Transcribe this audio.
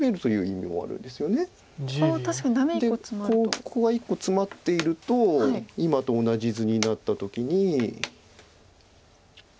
ここが１個ツマっていると今と同じ図になった時に。